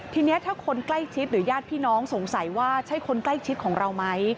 ทีนี้ถ้าคนใกล้ชิดหรือญาติพี่น้องสงสัยว่าใช่คนใกล้ชิดของเราไหม